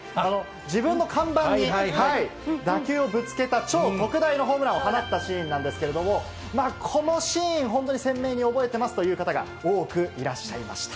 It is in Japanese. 自分の看板に打球をぶつけた超特大のホームランを放ったシーンなんですけど、このシーン、本当に鮮明に覚えてますという方が、多くいらっしゃいました。